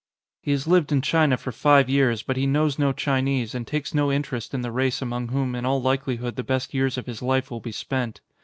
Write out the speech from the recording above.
He has lived in China for five years, but he knows no Chinese and takes no interest in the race among whom in all likelihood the best years of his life will be spent.